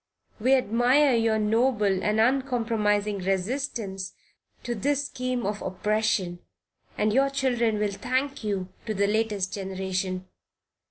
We admire your noble and uncompromising resistance to this scheme of oppression, and your children will thank you to the latest generation.